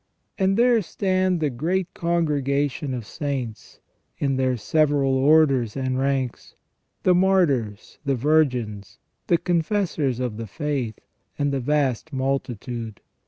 And there stand the great congregation of saints, in their several orders and ranks : the martyrs, the virgins, the confessors of the faith, and the vast multitude.